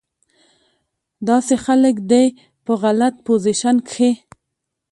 داسې خلک دې پۀ غلط پوزيشن کښې